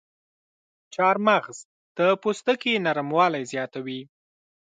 چارمغز د پوستکي نرموالی زیاتوي.